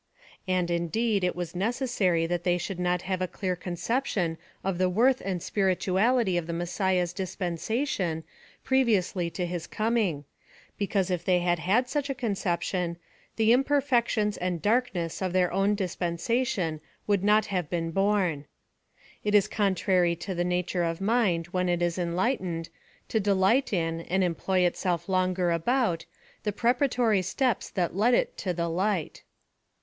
And, indeed, it was necessary that they should not have a cleai conception of the worth and spirituality of the Mes siah's dispensation, previously to his coming; be cause if they had had such a conception, the imper fections and darkness of their own dispensation would not have been borne. It is contrary to the nature of mind when it is enlightened, to delight in, and employ itself longer about, the preparatory steps that led it to the light.